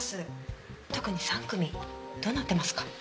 特に３組どうなってますか？